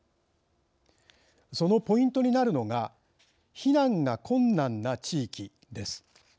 そのポイントになるのが避難が困難な地域です。